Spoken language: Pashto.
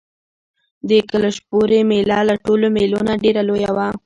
د کلشپورې مېله له ټولو مېلو نه ډېره لویه وه.